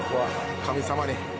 神様に！